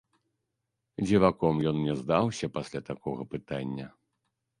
Дзіваком ён мне здаўся пасля такога пытання.